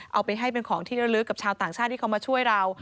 เอาไปให้เป็นของที่ระลึกกับชาวต่างชาติที่เขามาช่วยเรา